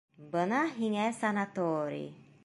Бына һиңә санаторий!